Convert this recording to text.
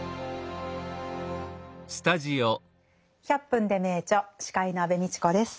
「１００分ｄｅ名著」司会の安部みちこです。